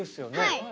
はい。